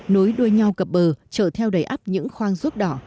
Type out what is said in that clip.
nối đôi nhau cập bờ trở theo đầy ấp những khoang ruốc đỏ